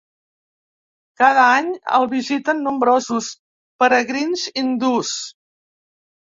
Cada any el visiten nombrosos peregrins hindús.